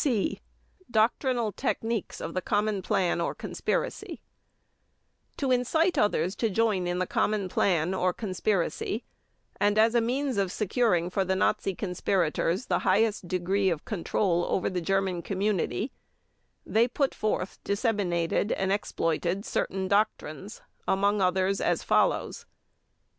(C) DOCTRINAL TECHNIQUES OF THE COMMON PLAN OR CONSPIRACY To incite others to join in the common plan or conspiracy, and as a means of securing for the Nazi conspirators the highest degree of control over the German community, they put forth, disseminated, and exploited certain doctrines, among others, as follows: 1.